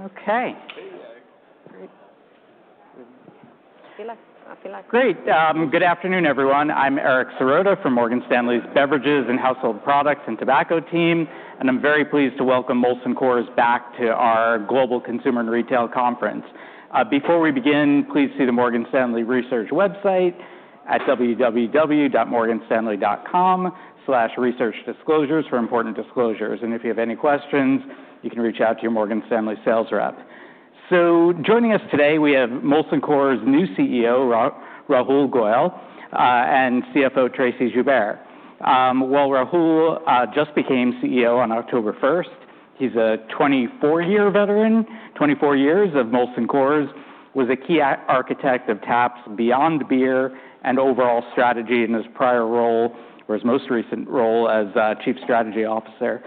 Okay. I feel like. Great. Good afternoon, everyone. I'm Eric Serotta from Morgan Stanley's Beverages and Household Products and Tobacco team, and I'm very pleased to welcome Molson Coors back to our Global Consumer and Retail Conference. Before we begin, please see the Morgan Stanley Research website at www.morganstanley.com/researchdisclosures for important disclosures. And if you have any questions, you can reach out to your Morgan Stanley sales rep. So joining us today, we have Molson Coors' new CEO, Rahul Goyal, and CFO, Tracey Joubert. Well, Rahul just became CEO on October 1st. He's a 24-year veteran, 24 years of Molson Coors, was a key architect of TAP's Beyond Beer and overall strategy in his prior role, or his most recent role as Chief Strategy Officer.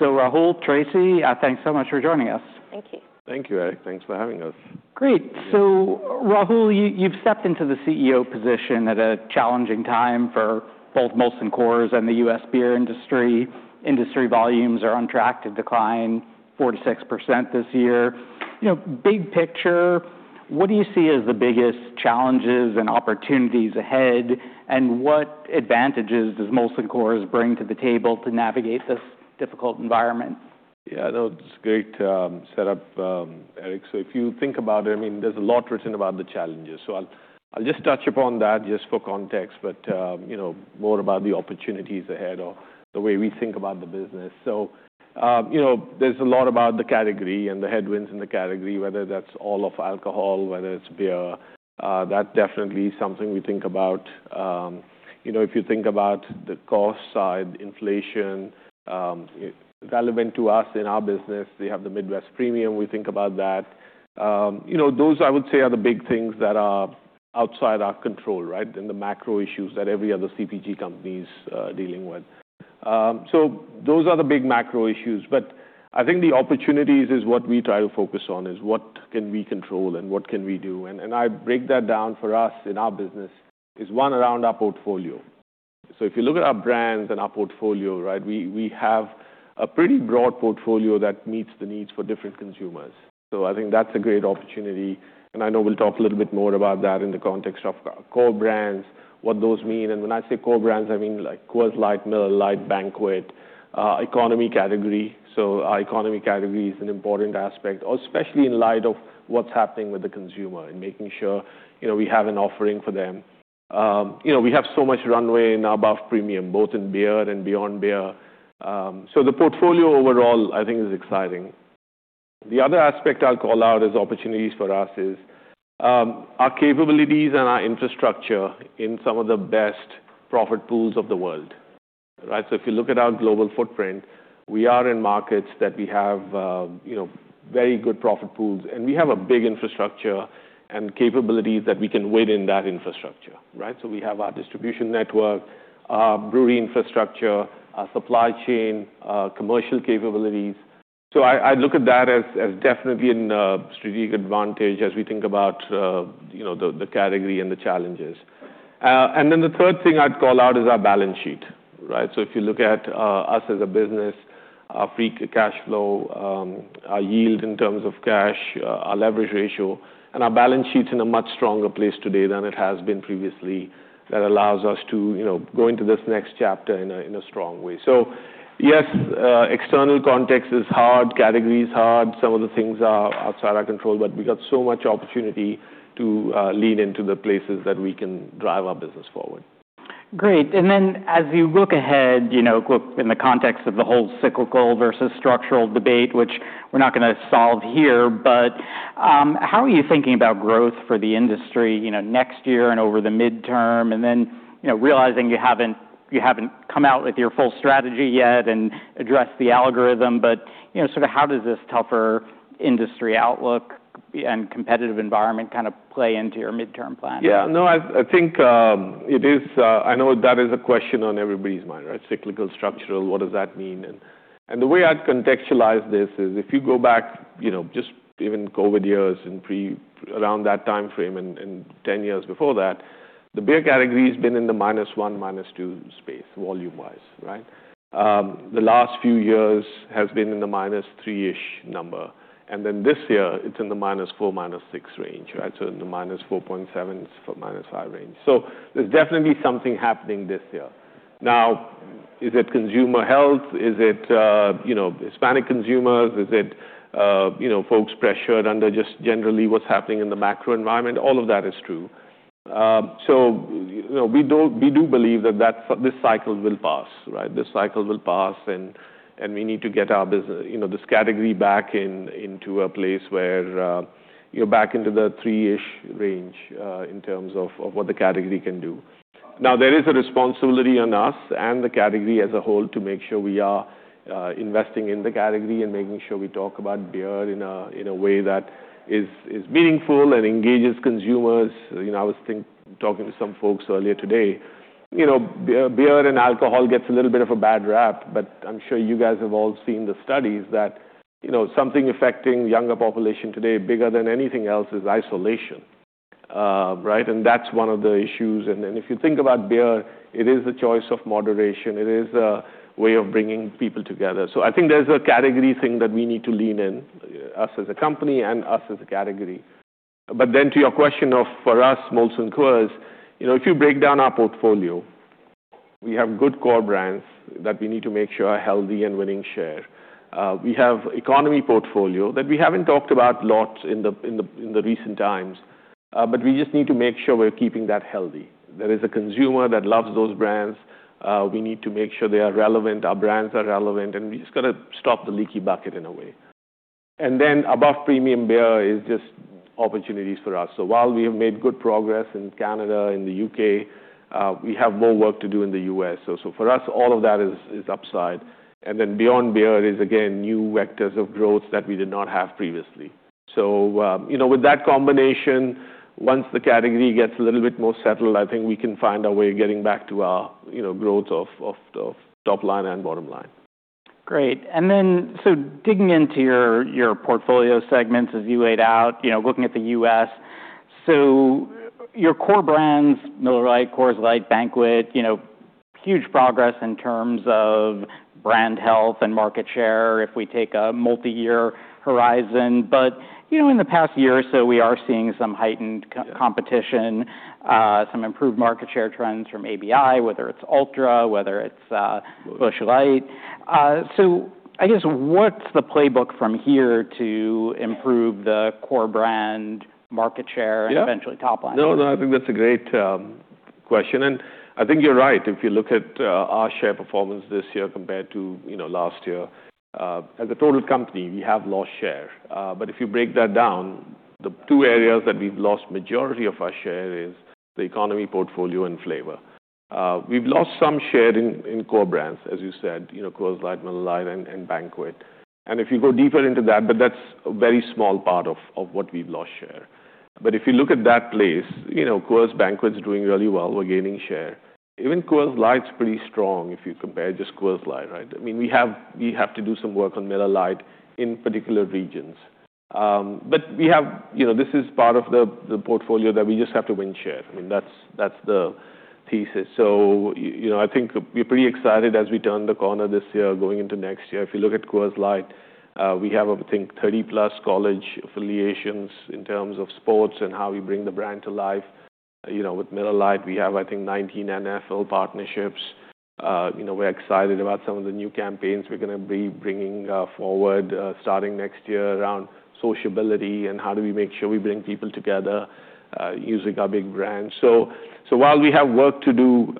So Rahul, Tracey, thanks so much for joining us. Thank you. Thank you, Eric. Thanks for having us. Great. So Rahul, you've stepped into the CEO position at a challenging time for both Molson Coors and the U.S. beer industry. Industry volumes are on track to decline 46% this year. Big picture, what do you see as the biggest challenges and opportunities ahead, and what advantages does Molson Coors bring to the table to navigate this difficult environment? Yeah, that's a great setup, Eric. So if you think about it, I mean, there's a lot written about the challenges. So I'll just touch upon that just for context, but more about the opportunities ahead or the way we think about the business. So there's a lot about the category and the headwinds in the category, whether that's all of alcohol, whether it's beer. That's definitely something we think about. If you think about the cost side, inflation, relevant to us in our business, they have the Midwest Premium. We think about that. Those, I would say, are the big things that are outside our control, right, and the macro issues that every other CPG company is dealing with. So those are the big macro issues. But I think the opportunities is what we try to focus on, is what can we control and what can we do. And I break that down for us in our business is one, around our portfolio. So if you look at our brands and our portfolio, right, we have a pretty broad portfolio that meets the needs for different consumers. So I think that's a great opportunity. And I know we'll talk a little bit more about that in the context of core brands, what those mean. And when I say core brands, I mean like Coors Light, Miller Lite, Banquet, economy category. So economy category is an important aspect, especially in light of what's happening with the consumer and making sure we have an offering for them. We have so much runway in our above premium, both in beer and Beyond Beer. So the portfolio overall, I think, is exciting. The other aspect I'll call out as opportunities for us is our capabilities and our infrastructure in some of the best profit pools of the world, right? So if you look at our global footprint, we are in markets that we have very good profit pools, and we have a big infrastructure and capabilities that we can win in that infrastructure, right? So we have our distribution network, our brewery infrastructure, our supply chain, commercial capabilities. So I look at that as definitely a strategic advantage as we think about the category and the challenges. And then the third thing I'd call out is our balance sheet, right? So if you look at us as a business, our free cash flow, our yield in terms of cash, our leverage ratio, and our balance sheet's in a much stronger place today than it has been previously. That allows us to go into this next chapter in a strong way. So yes, external context is hard, category's hard. Some of the things are outside our control, but we got so much opportunity to lean into the places that we can drive our business forward. Great. And then as you look ahead, in the context of the whole cyclical versus structural debate, which we're not going to solve here, but how are you thinking about growth for the industry next year and over the midterm? And then realizing you haven't come out with your full strategy yet and addressed the algorithm, but sort of how does this tougher industry outlook and competitive environment kind of play into your midterm plan? Yeah. No, I think it is. I know that is a question on everybody's mind, right? Cyclical, structural, what does that mean? And the way I'd contextualize this is if you go back just even COVID years and around that time frame and 10 years before that, the beer category has been in the minus one, minus two space volume-wise, right? The last few years has been in the minus three-ish number. And then this year, it's in the minus four, minus six range, right? So in the -4.7, minus five range. So there's definitely something happening this year. Now, is it consumer health? Is it Hispanic consumers? Is it folks pressured under just generally what's happening in the macro environment? All of that is true. So we do believe that this cycle will pass, right? This cycle will pass, and we need to get our business, this category back into a place where you're back into the three-ish range in terms of what the category can do. Now, there is a responsibility on us and the category as a whole to make sure we are investing in the category and making sure we talk about beer in a way that is meaningful and engages consumers. I was talking to some folks earlier today. Beer and alcohol gets a little bit of a bad rap, but I'm sure you guys have all seen the studies that something affecting the younger population today bigger than anything else is isolation, right? And that's one of the issues. And then if you think about beer, it is the choice of moderation. It is a way of bringing people together. So I think there's a category thing that we need to lean in, us as a company and us as a category. But then to your question of for us, Molson Coors, if you break down our portfolio, we have good core brands that we need to make sure are healthy and winning share. We have an economy portfolio that we haven't talked about a lot in the recent times, but we just need to make sure we're keeping that healthy. There is a consumer that loves those brands. We need to make sure they are relevant. Our brands are relevant, and we just got to stop the leaky bucket in a way. And then above premium beer is just opportunities for us. So while we have made good progress in Canada, in the U.K., we have more work to do in the U.S. So for us, all of that is upside. And then Beyond Beer is, again, new vectors of growth that we did not have previously. So with that combination, once the category gets a little bit more settled, I think we can find our way of getting back to our growth of top line and bottom line. Great. And then so digging into your portfolio segments as you laid out, looking at the U.S., so your core brands, Miller Lite, Coors Light, Banquet, huge progress in terms of brand health and market share if we take a multi-year horizon. But in the past year or so, we are seeing some heightened competition, some improved market share trends from ABI, whether it's Ultra, whether it's Busch Light. So I guess what's the playbook from here to improve the core brand market share and eventually top line? No, no, I think that's a great question, and I think you're right. If you look at our share performance this year compared to last year, as a total company, we have lost share, but if you break that down, the two areas that we've lost the majority of our share is the economy portfolio and flavor. We've lost some share in core brands, as you said, Coors Light, Miller Lite, and Coors Banquet, and if you go deeper into that, but that's a very small part of what we've lost share, but if you look at that place, Coors Banquet's doing really well. We're gaining share. Even Coors Light's pretty strong if you compare just Coors Light, right? I mean, we have to do some work on Miller Lite in particular regions, but this is part of the portfolio that we just have to win share. I mean, that's the thesis. So I think we're pretty excited as we turn the corner this year going into next year. If you look at Coors Light, we have, I think, 30-plus college affiliations in terms of sports and how we bring the brand to life. With Miller Lite, we have, I think, 19 NFL partnerships. We're excited about some of the new campaigns we're going to be bringing forward starting next year around sociability and how do we make sure we bring people together using our big brands. So while we have work to do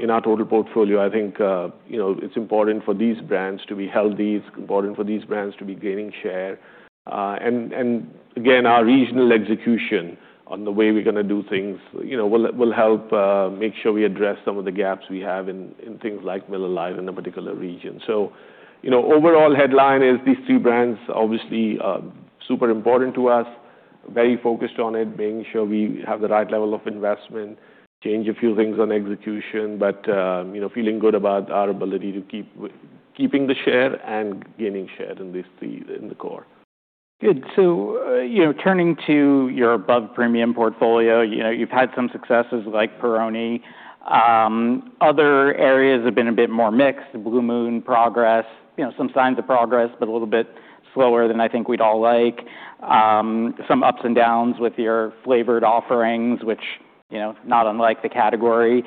in our total portfolio, I think it's important for these brands to be healthy. It's important for these brands to be gaining share. And again, our regional execution on the way we're going to do things will help make sure we address some of the gaps we have in things like Miller Lite in a particular region. So overall headline is these three brands obviously super important to us, very focused on it, making sure we have the right level of investment, change a few things on execution, but feeling good about our ability to keeping the share and gaining share in the core. Good. So turning to your above premium portfolio, you've had some successes like Peroni. Other areas have been a bit more mixed, Blue Moon, progress, some signs of progress, but a little bit slower than I think we'd all like. Some ups and downs with your flavored offerings, which not unlike the category.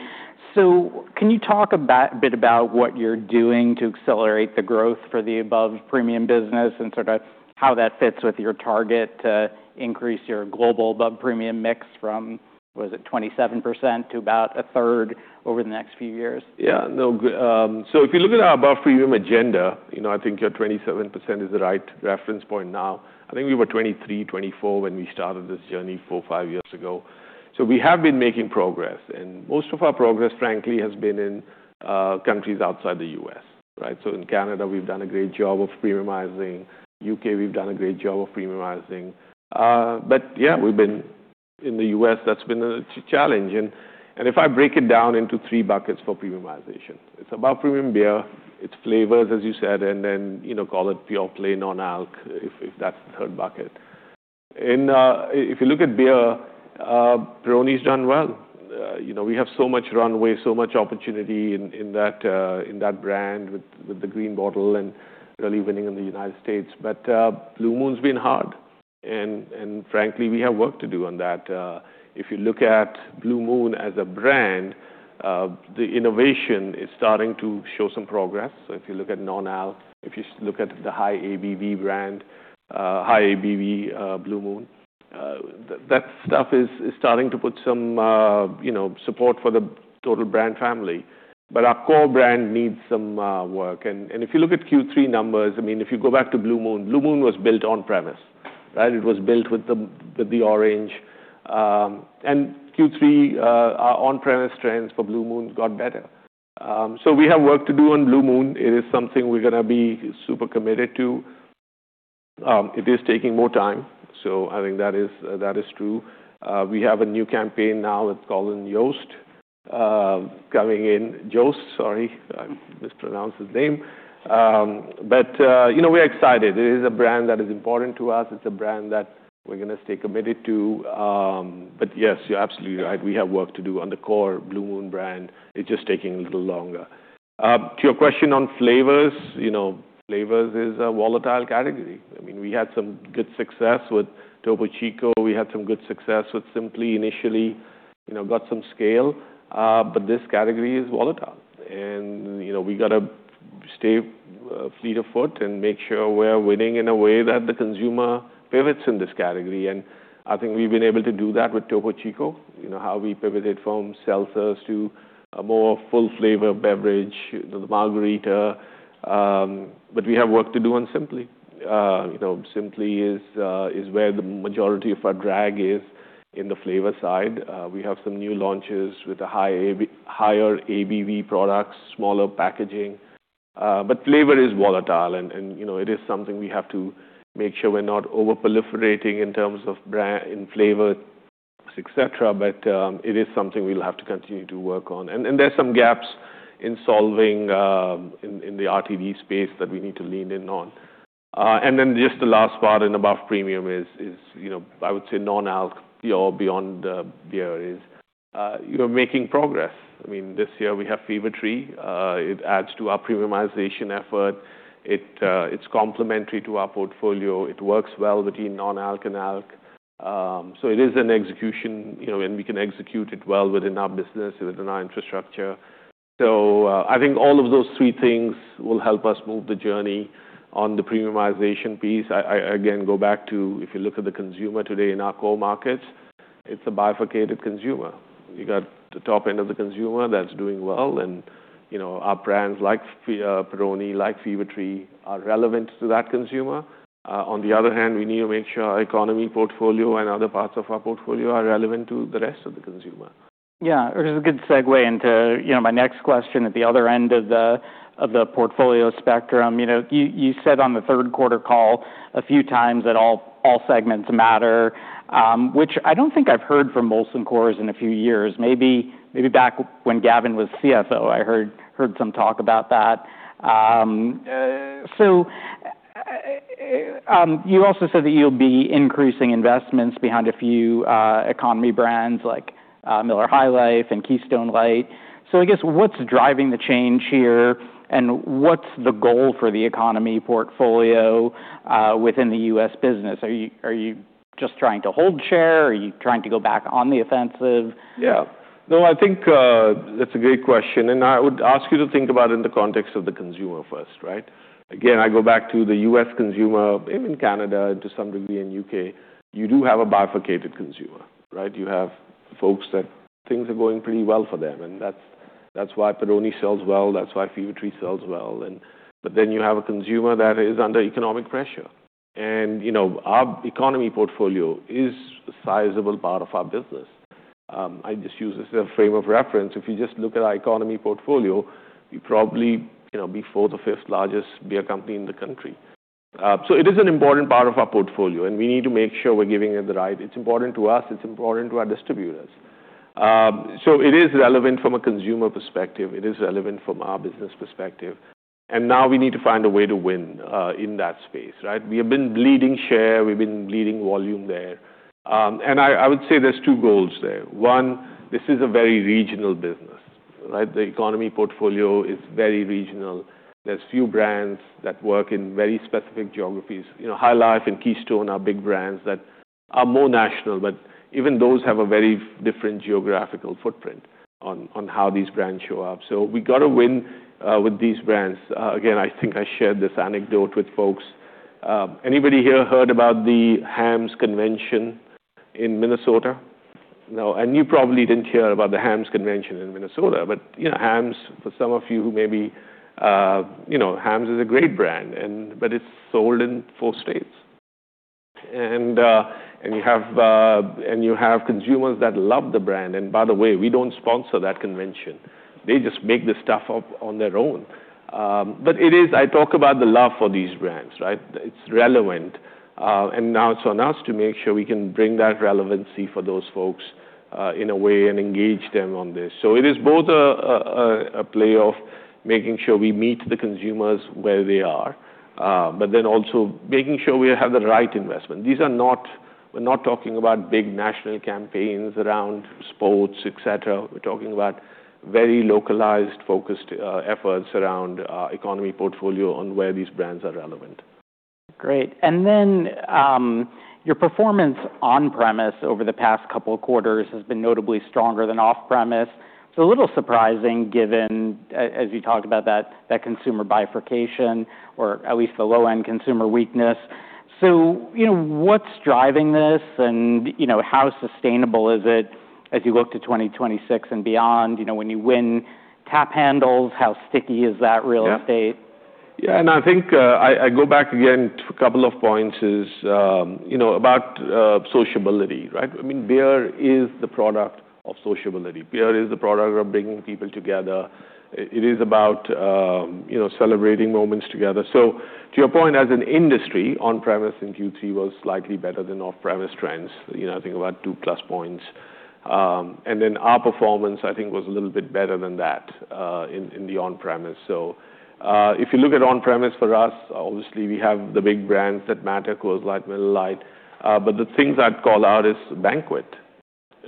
So can you talk a bit about what you're doing to accelerate the growth for the above premium business and sort of how that fits with your target to increase your global above premium mix from, was it 27% to about a third over the next few years? Yeah. So if you look at our above premium agenda, I think your 27% is the right reference point now. I think we were 23-24 when we started this journey four, five years ago. So we have been making progress. And most of our progress, frankly, has been in countries outside the U.S., right? So in Canada, we've done a great job of premiumizing. U.K., we've done a great job of premiumizing. But yeah, we've been in the U.S., that's been a challenge. And if I break it down into three buckets for premiumization, it's above premium beer, it's flavors, as you said, and then call it pure, plain, non-alc if that's the third bucket. And if you look at beer, Peroni's done well. We have so much runway, so much opportunity in that brand with the green bottle and really winning in the United States. But Blue Moon's been hard. And frankly, we have work to do on that. If you look at Blue Moon as a brand, the innovation is starting to show some progress. So if you look at non-alc, if you look at the high ABV brand, high ABV Blue Moon, that stuff is starting to put some support for the total brand family. But our core brand needs some work. And if you look at Q3 numbers, I mean, if you go back to Blue Moon, Blue Moon was built on-premise, right? It was built with the orange. And Q3, our on-premise trends for Blue Moon got better. So we have work to do on Blue Moon. It is something we're going to be super committed to. It is taking more time. So I think that is true. We have a new campaign now with Colin Jost coming in. Jost, sorry, I mispronounced his name, but we're excited. It is a brand that is important to us. It's a brand that we're going to stay committed to, but yes, you're absolutely right. We have work to do on the core Blue Moon brand. It's just taking a little longer. To your question on flavors, flavors is a volatile category. I mean, we had some good success with Topo Chico. We had some good success with Simply initially, got some scale, but this category is volatile, and we got to stay fleet afoot and make sure we're winning in a way that the consumer pivots in this category, and I think we've been able to do that with Topo Chico, how we pivoted from seltzers to a more full-flavored beverage, the Margarita, but we have work to do on Simply. Simply is where the majority of our drag is in the flavor side. We have some new launches with the higher ABV products, smaller packaging. But flavor is volatile. And it is something we have to make sure we're not over-proliferating in terms of flavors, etc. But it is something we'll have to continue to work on. And there's some gaps in solving in the RTD space that we need to lean in on. And then just the last part in above premium is, I would say, non-alc Beyond Beer is you're making progress. I mean, this year we have Fever-Tree. It adds to our premiumization effort. It's complementary to our portfolio. It works well between non-alc and alcs. So it is an execution, and we can execute it well within our business, within our infrastructure. So I think all of those three things will help us move the journey on the premiumization piece. Again, go back to if you look at the consumer today in our core markets, it's a bifurcated consumer. You got the top end of the consumer that's doing well. And our brands like Peroni, like Fever-Tree, are relevant to that consumer. On the other hand, we need to make sure our economy portfolio and other parts of our portfolio are relevant to the rest of the consumer. Yeah. It was a good segue into my next question at the other end of the portfolio spectrum. You said on the third quarter call a few times that all segments matter, which I don't think I've heard from Molson Coors in a few years. Maybe back when Gavin was CFO, I heard some talk about that. So you also said that you'll be increasing investments behind a few economy brands like Miller High Life and Keystone Light. So I guess what's driving the change here and what's the goal for the economy portfolio within the U.S. business? Are you just trying to hold share? Are you trying to go back on the offensive? Yeah. No, I think that's a great question, and I would ask you to think about it in the context of the consumer first, right? Again, I go back to the U.S. consumer, even Canada, to some degree in the U.K. You do have a bifurcated consumer, right? You have folks that things are going pretty well for them, and that's why Peroni sells well. That's why Fever-Tree sells well. But then you have a consumer that is under economic pressure, and our economy portfolio is a sizable part of our business. I just use this as a frame of reference. If you just look at our economy portfolio, we probably be fourth or fifth largest beer company in the country. So it is an important part of our portfolio, and we need to make sure we're giving it the right. It's important to us. It's important to our distributors. So it is relevant from a consumer perspective. It is relevant from our business perspective. And now we need to find a way to win in that space, right? We have been bleeding share. We've been bleeding volume there. And I would say there's two goals there. One, this is a very regional business, right? The economy portfolio is very regional. There's few brands that work in very specific geographies. High Life and Keystone are big brands that are more national, but even those have a very different geographical footprint on how these brands show up. So we got to win with these brands. Again, I think I shared this anecdote with folks. Anybody here heard about the Hamm's convention in Minnesota? No. And you probably didn't hear about the Hamm's convention in Minnesota. But Hamm's, for some of you who maybe Hamm's is a great brand, but it's sold in four states. And you have consumers that love the brand. And by the way, we don't sponsor that convention. They just make the stuff up on their own. But I talk about the love for these brands, right? It's relevant. And now it's on us to make sure we can bring that relevancy for those folks in a way and engage them on this. So it is both a play of making sure we meet the consumers where they are, but then also making sure we have the right investment. We're not talking about big national campaigns around sports, etc. We're talking about very localized focused efforts around our economy portfolio on where these brands are relevant. Great. And then your performance on-premise over the past couple of quarters has been notably stronger than off-premise. It's a little surprising given, as you talked about, that consumer bifurcation or at least the low-end consumer weakness. So what's driving this and how sustainable is it as you look to 2026 and beyond? When you win tap handles, how sticky is that real estate? Yeah. And I think I go back again to a couple of points about sociability, right? I mean, beer is the product of sociability. Beer is the product of bringing people together. It is about celebrating moments together. So to your point, as an industry, on-premise in Q3 was slightly better than off-premise trends. I think about two plus points. And then our performance, I think, was a little bit better than that in the on-premise. So if you look at on-premise for us, obviously, we have the big brands that matter Coors Light, Miller Lite. But the things I'd call out is Banquet,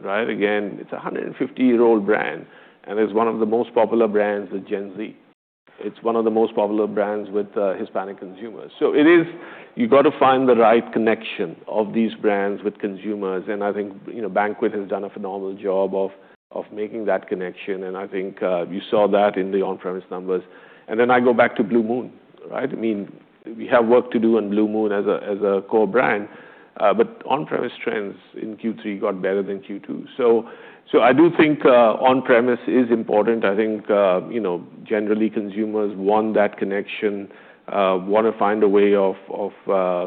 right? Again, it's a 150-year-old brand. And it's one of the most popular brands, the Gen Z. It's one of the most popular brands with Hispanic consumers. So you got to find the right connection of these brands with consumers. And I think Banquet has done a phenomenal job of making that connection. And I think you saw that in the on-premise numbers. And then I go back to Blue Moon, right? I mean, we have work to do on Blue Moon as a core brand. But on-premise trends in Q3 got better than Q2. So I do think on-premise is important. I think generally consumers want that connection, want to find a way of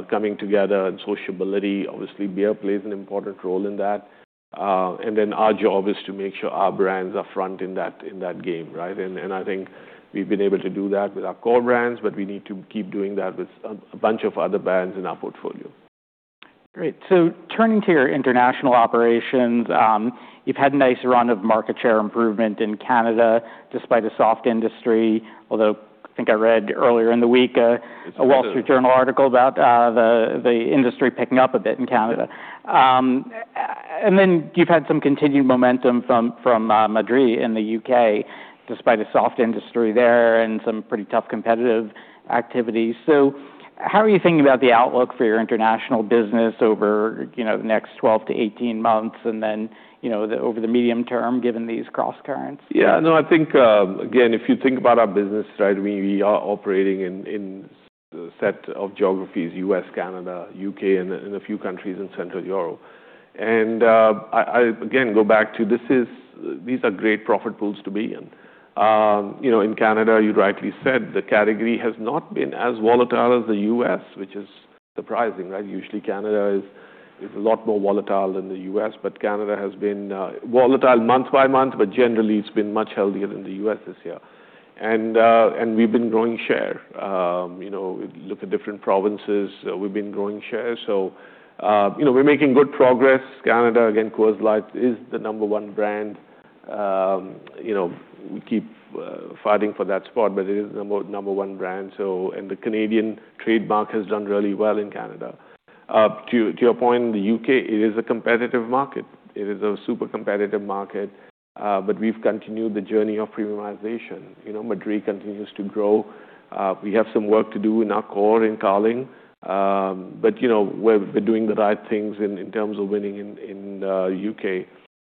coming together and sociability. Obviously, beer plays an important role in that. And then our job is to make sure our brands are front in that game, right? And I think we've been able to do that with our core brands, but we need to keep doing that with a bunch of other brands in our portfolio. Great. So turning to your international operations, you've had a nice run of market share improvement in Canada despite a soft industry, although I think I read earlier in the week a Wall Street Journal article about the industry picking up a bit in Canada. And then you've had some continued momentum from Madrí in the U.K. despite a soft industry there and some pretty tough competitive activity. So how are you thinking about the outlook for your international business over the next 12-18 months and then over the medium term given these cross currents? Yeah. No, I think, again, if you think about our business, right? We are operating in a set of geographies U.S., Canada, U.K., and a few countries in Central Europe, and I, again, go back to these are great profit pools to be in. In Canada, you rightly said, the category has not been as volatile as the U.S., which is surprising, right? Usually, Canada is a lot more volatile than the U.S., but Canada has been volatile month by month, but generally, it's been much healthier than the U.S. this year, and we've been growing share. Look at different provinces, we've been growing share, so we're making good progress. Canada, again, Coors Light is the number one brand. We keep fighting for that spot, but it is the number one brand, and Molson Canadian has done really well in Canada. To your point, in the U.K., it is a competitive market. It is a super competitive market. But we've continued the journey of premiumization. Madrí continues to grow. We have some work to do in our core in Carling. But we're doing the right things in terms of winning in the U.K.,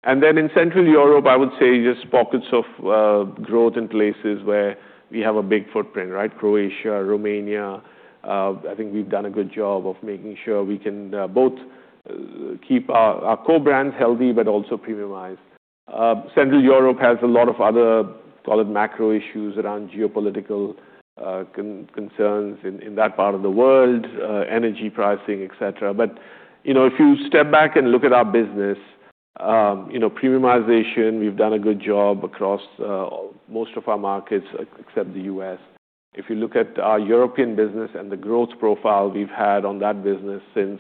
and then in Central Europe, I would say just pockets of growth in places where we have a big footprint, right? Croatia, Romania. I think we've done a good job of making sure we can both keep our core brands healthy, but also premiumize. Central Europe has a lot of other, call it macro issues around geopolitical concerns in that part of the world, energy pricing, etc., but if you step back and look at our business, premiumization, we've done a good job across most of our markets except the U.S.. If you look at our European business and the growth profile we've had on that business since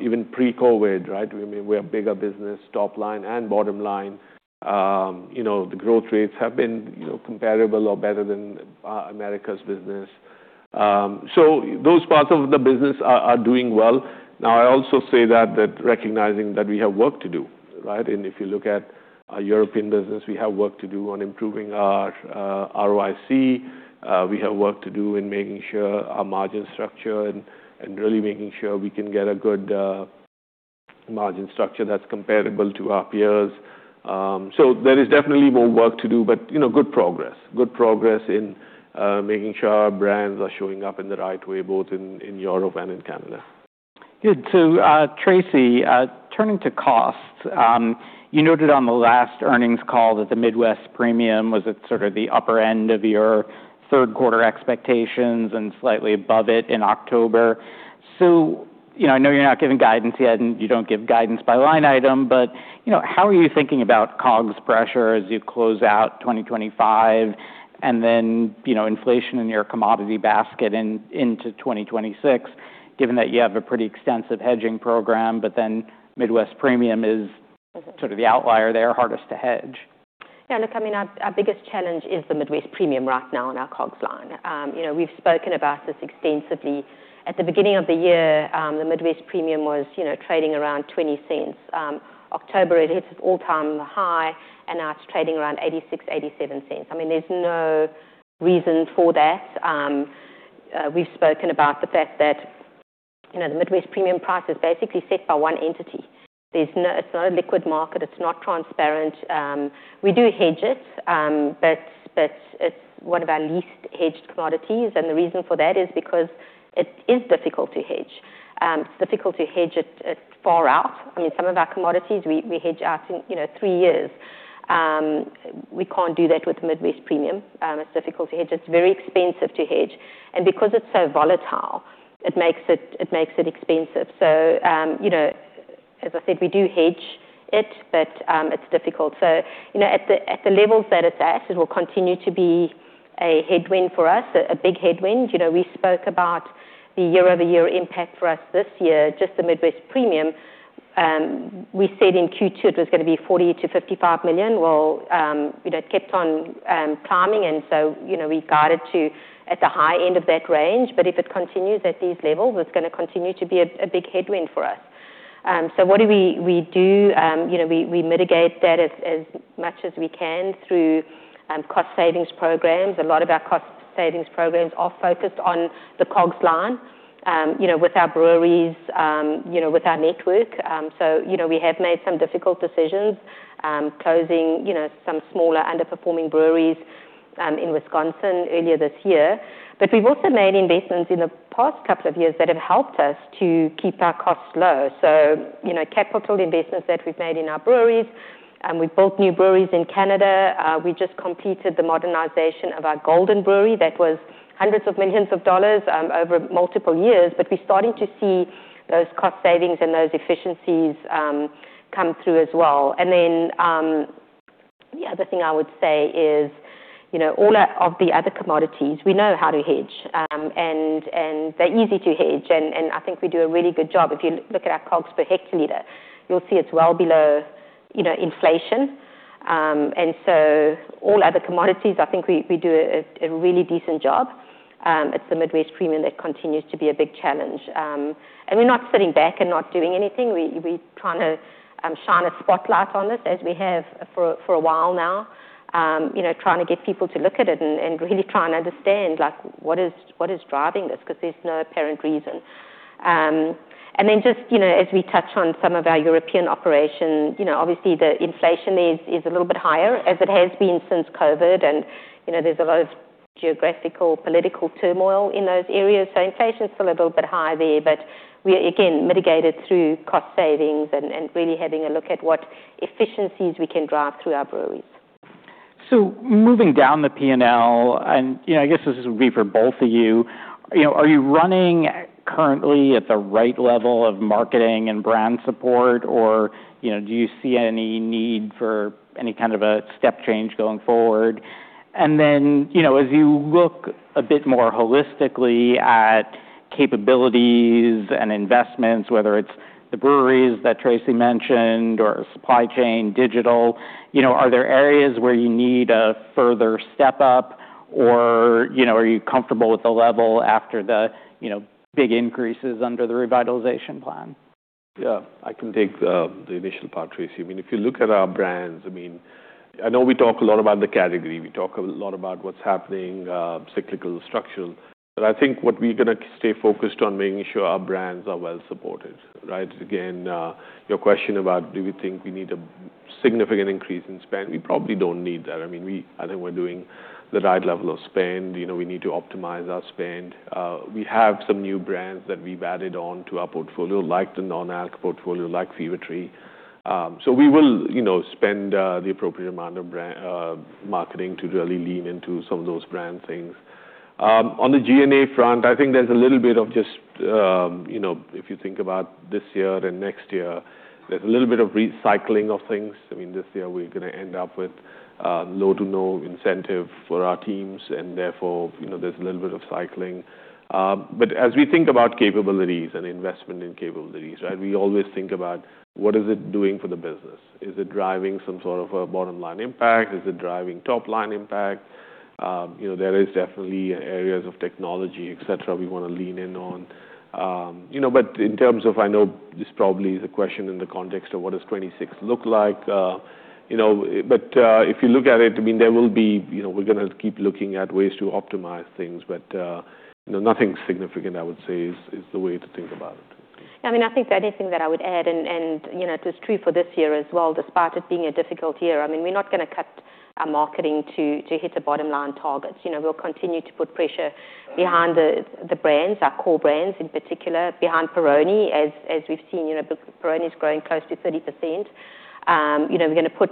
even pre-COVID, right? I mean, we're a bigger business, top line and bottom line. The growth rates have been comparable or better than America's business. So those parts of the business are doing well. Now, I also say that recognizing that we have work to do, right? And if you look at our European business, we have work to do on improving our ROIC. We have work to do in making sure our margin structure and really making sure we can get a good margin structure that's comparable to our peers. So there is definitely more work to do, but good progress. Good progress in making sure our brands are showing up in the right way, both in Europe and in Canada. Good. So Tracey, turning to costs, you noted on the last earnings call that the Midwest premium was at sort of the upper end of your third quarter expectations and slightly above it in October. So I know you're not giving guidance yet, and you don't give guidance by line item, but how are you thinking about COGS pressure as you close out 2025 and then inflation in your commodity basket into 2026, given that you have a pretty extensive hedging program, but then Midwest premium is sort of the outlier there, hardest to hedge? Yeah. Look, I mean, our biggest challenge is the Midwest Premium right now on our COGS line. We've spoken about this extensively. At the beginning of the year, the Midwest Premium was trading around $0.20. October is its all-time high, and now it's trading around $0.86-$0.87. I mean, there's no reason for that. We've spoken about the fact that the Midwest Premium price is basically set by one entity. It's not a liquid market. It's not transparent. We do hedge it, but it's one of our least hedged commodities. And the reason for that is because it is difficult to hedge. It's difficult to hedge it far out. I mean, some of our commodities, we hedge out in three years. We can't do that with the Midwest Premium. It's difficult to hedge. It's very expensive to hedge. And because it's so volatile, it makes it expensive. So as I said, we do hedge it, but it's difficult. So at the levels that it's at, it will continue to be a headwind for us, a big headwind. We spoke about the year-over-year impact for us this year, just the Midwest Premium. We said in Q2 it was going to be $40 million-$55 million. Well, it kept on climbing. And so we guided to at the high end of that range. But if it continues at these levels, it's going to continue to be a big headwind for us. So what do we do? We mitigate that as much as we can through cost savings programs. A lot of our cost savings programs are focused on the COGS line with our breweries, with our network. So we have made some difficult decisions, closing some smaller underperforming breweries in Wisconsin earlier this year. But we've also made investments in the past couple of years that have helped us to keep our costs low. So capital investments that we've made in our breweries. We've built new breweries in Canada. We just completed the modernization of our Golden Brewery. That was $ hundreds of millions over multiple years. But we're starting to see those cost savings and those efficiencies come through as well. And then the other thing I would say is all of the other commodities, we know how to hedge, and they're easy to hedge. And I think we do a really good job. If you look at our COGS per hectoliter, you'll see it's well below inflation. And so all other commodities, I think we do a really decent job. It's the Midwest Premium that continues to be a big challenge. And we're not sitting back and not doing anything. We're trying to shine a spotlight on this as we have for a while now, trying to get people to look at it and really try and understand what is driving this because there's no apparent reason, and then just as we touch on some of our European operations, obviously, the inflation is a little bit higher as it has been since COVID, and there's a lot of geographical political turmoil in those areas, so inflation's still a little bit high there, but we're, again, mitigated through cost savings and really having a look at what efficiencies we can drive through our breweries. So moving down the P&L, and I guess this will be for both of you, are you running currently at the right level of marketing and brand support, or do you see any need for any kind of a step change going forward? And then as you look a bit more holistically at capabilities and investments, whether it's the breweries that Tracey mentioned or supply chain, digital, are there areas where you need a further step up, or are you comfortable with the level after the big increases under the revitalization plan? Yeah. I can take the initial part, Tracey. I mean, if you look at our brands, I mean, I know we talk a lot about the category. We talk a lot about what's happening, cyclical, structural. But I think what we're going to stay focused on, making sure our brands are well supported, right? Again, your question about do we think we need a significant increase in spend. We probably don't need that. I mean, I think we're doing the right level of spend. We need to optimize our spend. We have some new brands that we've added on to our portfolio, like the non-alc portfolio, like Fever-Tree. So we will spend the appropriate amount of marketing to really lean into some of those brand things. On the G&A front, I think there's a little bit of just, if you think about this year and next year, there's a little bit of recycling of things. I mean, this year, we're going to end up with low to no incentive for our teams. And therefore, there's a little bit of cycling. But as we think about capabilities and investment in capabilities, right, we always think about what is it doing for the business? Is it driving some sort of a bottom line impact? Is it driving top line impact? There is definitely areas of technology, etc., we want to lean in on. But in terms of, I know this probably is a question in the context of what does '26 look like? But if you look at it, I mean, there will be. We're going to keep looking at ways to optimize things. But nothing significant, I would say, is the way to think about it. Yeah. I mean, I think the only thing that I would add, and it's true for this year as well, despite it being a difficult year. I mean, we're not going to cut our marketing to hit the bottom line targets. We'll continue to put pressure behind the brands, our core brands in particular, behind Peroni, as we've seen. Peroni's growing close to 30%. We're going to put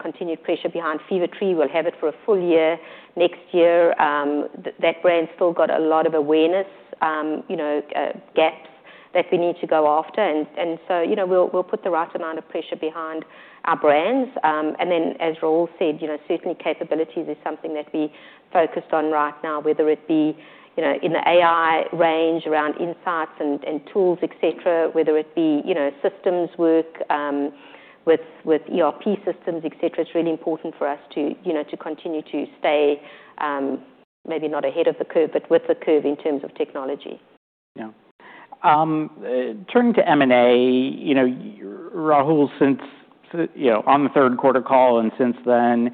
continued pressure behind Fever-Tree. We'll have it for a full year. Next year, that brand's still got a lot of awareness gaps that we need to go after. And so we'll put the right amount of pressure behind our brands. And then, as Rahul said, certainly capabilities is something that we focused on right now, whether it be in the AI range around insights and tools, etc., whether it be systems work with ERP systems, etc. It's really important for us to continue to stay maybe not ahead of the curve, but with the curve in terms of technology. Yeah. Turning to M&A, Rahul, since on the third quarter call and since then,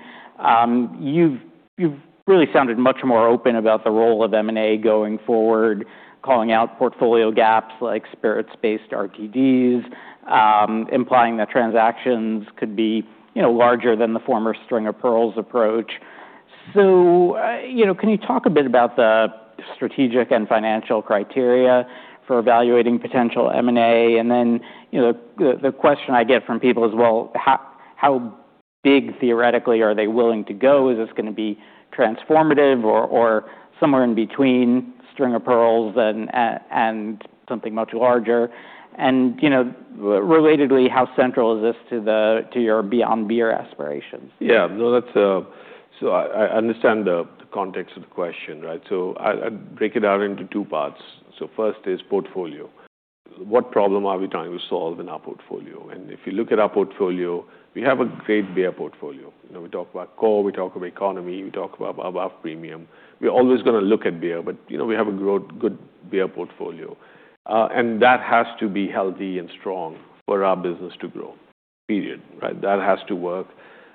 you've really sounded much more open about the role of M&A going forward, calling out portfolio gaps like spirits-based RTDs, implying that transactions could be larger than the former String of Pearls approach. So can you talk a bit about the strategic and financial criteria for evaluating potential M&A? And then the question I get from people is, well, how big theoretically are they willing to go? Is this going to be transformative or somewhere in between String of Pearls and something much larger? And relatedly, how central is this to your Beyond Beer aspirations? Yeah. So I understand the context of the question, right? So I'd break it out into two parts. So first is portfolio. What problem are we trying to solve in our portfolio? And if you look at our portfolio, we have a great beer portfolio. We talk about core, we talk about economy, we talk about above premium. We're always going to look at beer, but we have a good beer portfolio. And that has to be healthy and strong for our business to grow, period, right? That has to work.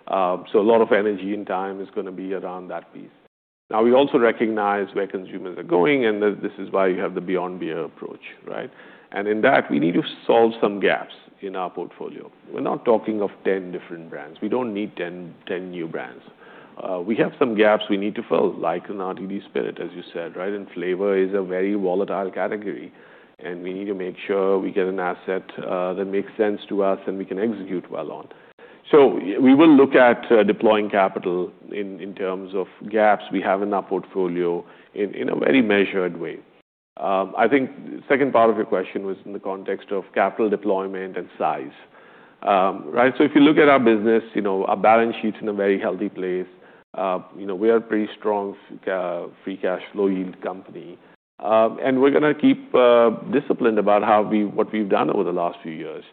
So a lot of energy and time is going to be around that piece. Now, we also recognize where consumers are going, and this is why you have the Beyond Beer approach, right? And in that, we need to solve some gaps in our portfolio. We're not talking of 10 different brands. We don't need 10 new brands. We have some gaps we need to fill, like in RTD spirits, as you said, right, and flavor is a very volatile category. And we need to make sure we get an asset that makes sense to us and we can execute well on. So we will look at deploying capital in terms of gaps we have in our portfolio in a very measured way. I think the second part of your question was in the context of capital deployment and size, right, so if you look at our business, our balance sheet's in a very healthy place. We are a pretty strong free cash flow yield company. And we're going to keep disciplined about what we've done over the last few years.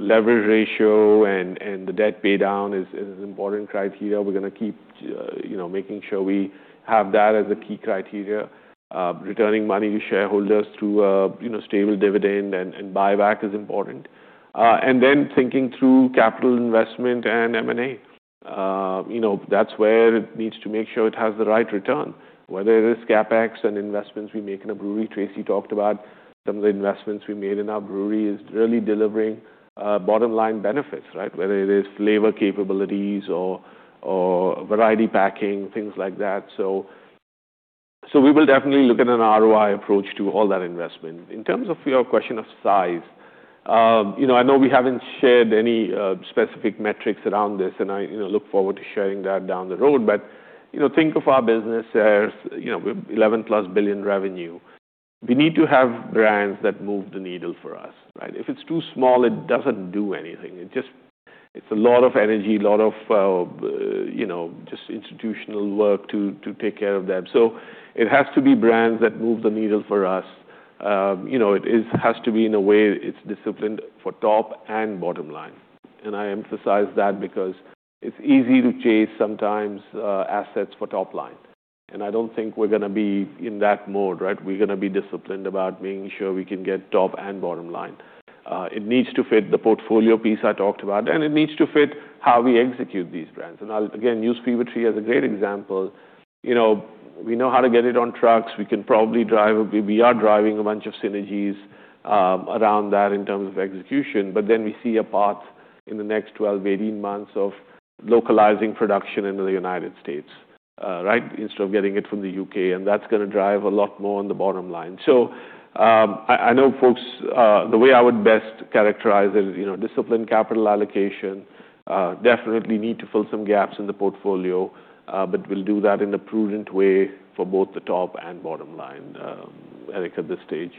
Leverage ratio and the debt paydown is an important criteria. We're going to keep making sure we have that as a key criteria. Returning money to shareholders through a stable dividend and buyback is important, and then thinking through capital investment and M&A. That's where it needs to make sure it has the right return. Whether it is CapEx and investments we make in a brewery, Tracey talked about some of the investments we made in our brewery is really delivering bottom line benefits, right? Whether it is flavor capabilities or variety packing, things like that, so we will definitely look at an ROI approach to all that investment. In terms of your question of size, I know we haven't shared any specific metrics around this, and I look forward to sharing that down the road, but think of our business as $11-plus billion revenue. We need to have brands that move the needle for us, right? If it's too small, it doesn't do anything. It's a lot of energy, a lot of just institutional work to take care of that. So it has to be brands that move the needle for us. It has to be, in a way, it's disciplined for top and bottom line. And I emphasize that because it's easy to chase sometimes assets for top line. And I don't think we're going to be in that mode, right? We're going to be disciplined about making sure we can get top and bottom line. It needs to fit the portfolio piece I talked about, and it needs to fit how we execute these brands. And again, use Fever-Tree as a great example. We know how to get it on trucks. We can probably drive a—we are driving a bunch of synergies around that in terms of execution. But then we see a path in the next 12-18 months of localizing production in the United States, right, instead of getting it from the U.K. And that's going to drive a lot more on the bottom line. So I know folks, the way I would best characterize it is disciplined capital allocation. Definitely need to fill some gaps in the portfolio, but we'll do that in a prudent way for both the top and bottom line, Eric, at this stage.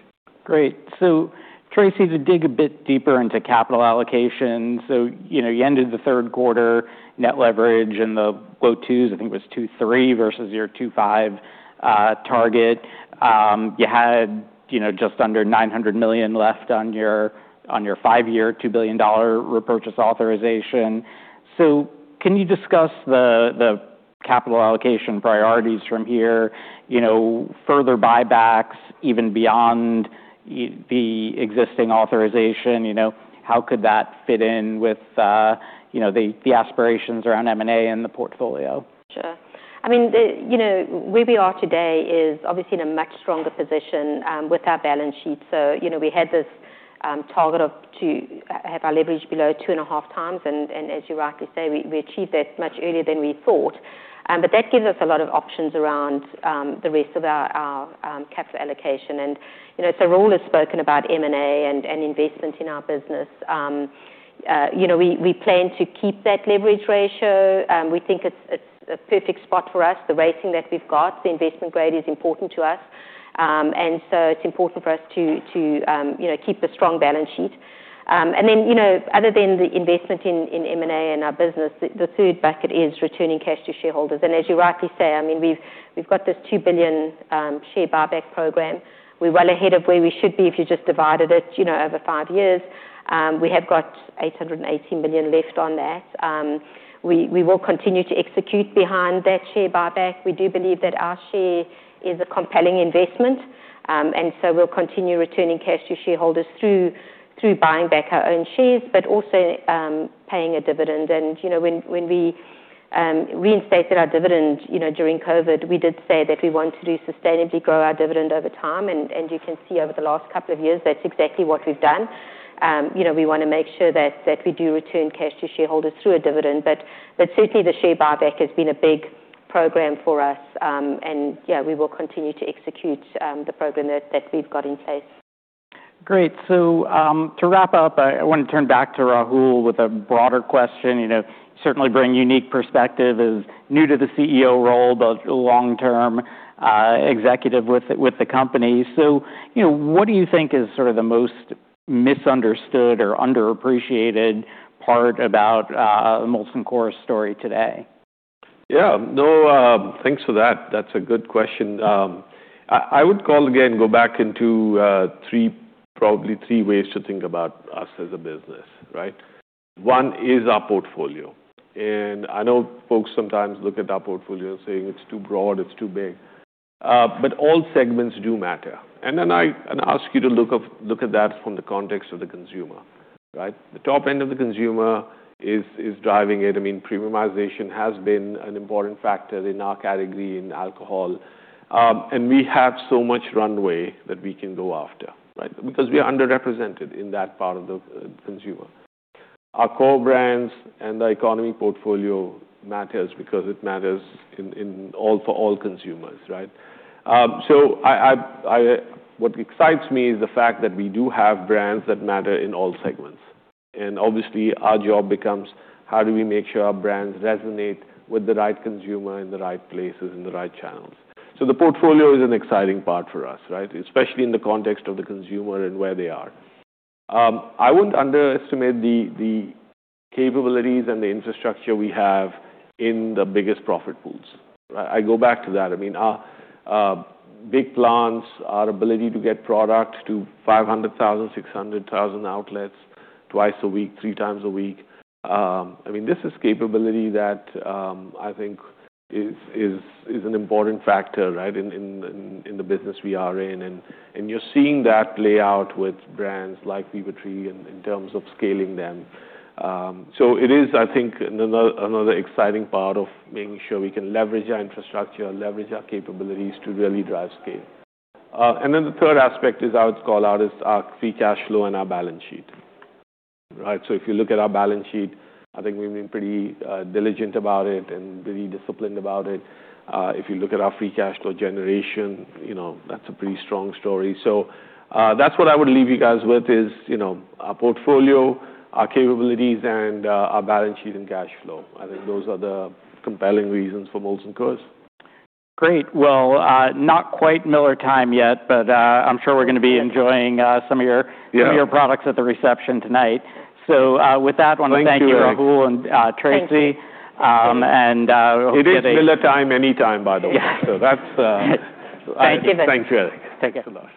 Great. So Tracey, to dig a bit deeper into capital allocation, so you ended the third quarter net leverage in the low twos, I think it was 2.3 versus your 2.5 target. You had just under $900 million left on your five-year $2 billion repurchase authorization. So can you discuss the capital allocation priorities from here? Further buybacks even beyond the existing authorization, how could that fit in with the aspirations around M&A in the portfolio? Sure. I mean, where we are today is obviously in a much stronger position with our balance sheet. So we had this target to have our leverage below two and a half times. And as you rightly say, we achieved that much earlier than we thought. But that gives us a lot of options around the rest of our capital allocation. And so Rahul has spoken about M&A and investment in our business. We plan to keep that leverage ratio. We think it's a perfect spot for us. The rating that we've got, the investment grade is important to us. And so it's important for us to keep a strong balance sheet. And then other than the investment in M&A and our business, the third bucket is returning cash to shareholders. And as you rightly say, I mean, we've got this 2 billion share buyback program. We're well ahead of where we should be if you just divided it over five years. We have got $880 million left on that. We will continue to execute behind that share buyback. We do believe that our share is a compelling investment, and so we'll continue returning cash to shareholders through buying back our own shares, but also paying a dividend, and when we reinstated our dividend during COVID, we did say that we want to sustainably grow our dividend over time, and you can see over the last couple of years, that's exactly what we've done. We want to make sure that we do return cash to shareholders through a dividend, but certainly, the share buyback has been a big program for us, and yeah, we will continue to execute the program that we've got in place. Great. So to wrap up, I want to turn back to Rahul with a broader question. Certainly bring unique perspective. He's new to the CEO role, but long-term executive with the company. So what do you think is sort of the most misunderstood or underappreciated part about Molson Coors story today? Yeah. No, thanks for that. That's a good question. I would call again, go back into probably three ways to think about us as a business, right? One is our portfolio. And I know folks sometimes look at our portfolio and say, "It's too broad. It's too big." But all segments do matter. And then I ask you to look at that from the context of the consumer, right? The top end of the consumer is driving it. I mean, premiumization has been an important factor in our category in alcohol. And we have so much runway that we can go after, right? Because we are underrepresented in that part of the consumer. Our core brands and the economy portfolio matters because it matters for all consumers, right? So what excites me is the fact that we do have brands that matter in all segments. And obviously, our job becomes how do we make sure our brands resonate with the right consumer in the right places, in the right channels? So the portfolio is an exciting part for us, right? Especially in the context of the consumer and where they are. I wouldn't underestimate the capabilities and the infrastructure we have in the biggest profit pools, right? I go back to that. I mean, our big plants, our ability to get product to 500,000, 600,000 outlets twice a week, three times a week. I mean, this is capability that I think is an important factor, right, in the business we are in. And you're seeing that play out with brands like Fever-Tree in terms of scaling them. So it is, I think, another exciting part of making sure we can leverage our infrastructure, leverage our capabilities to really drive scale. And then the third aspect is I would call out is our free cash flow and our balance sheet, right? So if you look at our balance sheet, I think we've been pretty diligent about it and pretty disciplined about it. If you look at our free cash flow generation, that's a pretty strong story. So that's what I would leave you guys with is our portfolio, our capabilities, and our balance sheet and cash flow. I think those are the compelling reasons for Molson Coors. Great. Well, not quite Miller time yet, but I'm sure we're going to be enjoying some of your products at the reception tonight. So with that, I want to thank you, Rahul and Tracey. And hope you get a— It is Miller time anytime, by the way. So that's. Thank you, Eric. Thank you, everybody